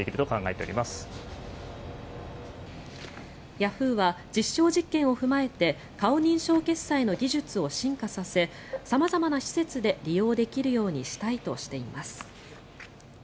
ヤフーは実証実験を踏まえて顔認証決済の技術を進化させ様々な施設で利用できるようにしたいとしています。